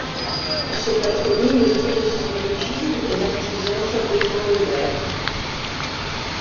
Ce patronyme tire son origine d'un artisan fabriquant le verre.